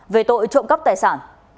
về tội trộm cấp tài sản